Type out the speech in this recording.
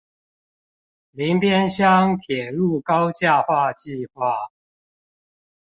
林邊鄉鐵路高架化計畫